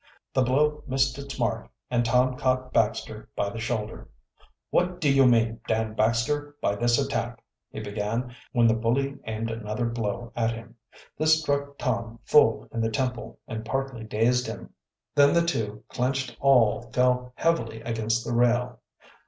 The blow missed its mark and Tom caught Baxter by the shoulder. "What do you mean, Dan Baxter, by this attack?" he began, when the bully aimed another blow at him. This struck Tom full in the temple and partly dazed him. Then the two clenched awl fell heavily against the rail.